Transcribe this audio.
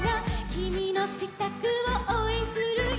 「きみのしたくをおうえんするよ」